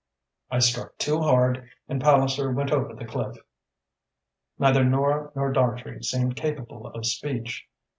I struck too hard and Palliser went over the cliff." Neither Nora nor Dartrey seemed capable of speech.